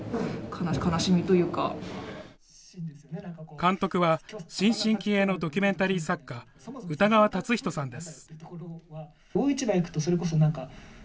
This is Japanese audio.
監督は新進気鋭のドキュメンタリー作家、歌川達人さんです。